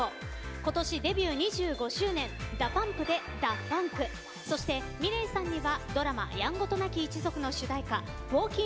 今年デビュー２５周年ＤＡＰＵＭＰで「ＤＡＦＵＮＫ」そしてｍｉｌｅｔさんにはドラマ「やんごとなき一族」の主題歌「Ｗａｌｋｉｎ